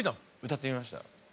歌ってみました。